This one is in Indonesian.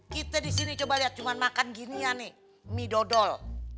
kita disini coba liat cuma makan ginian nih mie dodol